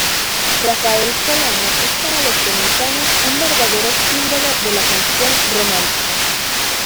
Rafael Solano es para los dominicanos un verdadero símbolo de la canción romántica.